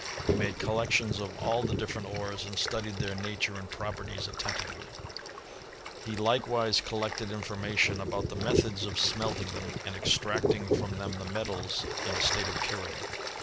He made collections of all the different ores, and studied their nature and properties attentively: he likewise collected information about the methods of smelting them, and extracting from them the metals in a state of purity.